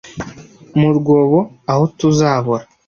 mu rwobo aho tuzabora